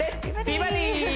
美バディ」